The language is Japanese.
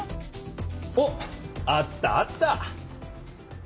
おっあったあった！